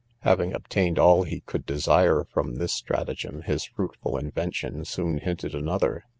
Having obtained all he could desire from this stratagem, his fruitful invention soon hinted another.